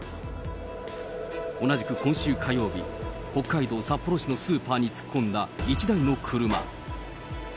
同じく今週火曜日、北海道札幌市のスーパーに突っ込んだ１台の車。